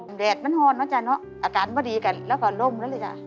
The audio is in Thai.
เบียดมันห้อนเนอะจ้ะเนอะอาการไม่ดีกันแล้วก็ลมนั่นเลยจ้ะ